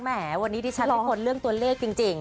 แหมวันนี้ที่ฉันพี่คนเลือกตัวเลขจริง